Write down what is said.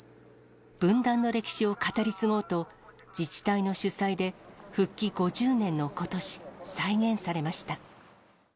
分断の歴史を語り継ごうと、自治体の主催で復帰５０年のことし、再現されました。